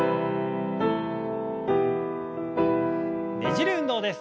ねじる運動です。